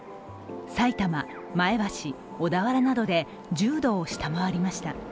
さいたま、前橋、小田原などで１０度を下回りました。